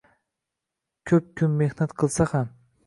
Ko‘p kun mehnat qilsa ham